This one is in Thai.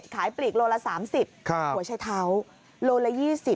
ปลีกโลละ๓๐หัวใช้เท้าโลละ๒๐